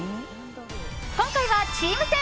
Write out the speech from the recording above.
今回はチーム戦。